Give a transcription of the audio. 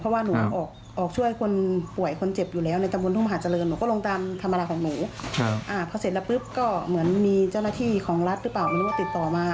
พอเสร็จแล้วปึ๊บก็เหมือนมีเจ้าหน้าที่ของรัฐหรือเปล่าไม่รู้ว่าติดต่อมา